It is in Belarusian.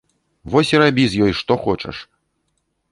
Вось і рабі з ёй, што хочаш!